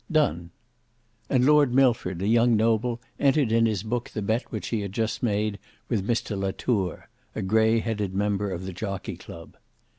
"Done." And Lord Milford, a young noble, entered in his book the bet which he had just made with Mr Latour, a grey headed member of the Jockey Club.